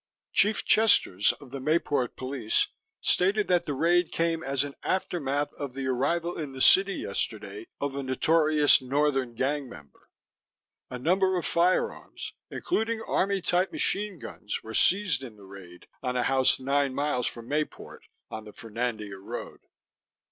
Chief Chesters of the Mayport Police stated that the raid came as an aftermath of the arrival in the city yesterday of a notorious northern gang member. A number of firearms, including army type machine guns, were seized in the raid on a house 9 miles from Mayport on the Fernandina road.